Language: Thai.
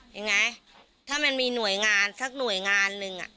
ยังไงถ้ามันมีหน่วยงานสักหน่วยงานหนึ่ง